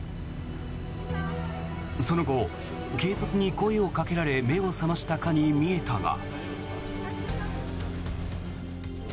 その後、警察に声をかけられ目を覚ましたかに見えたが。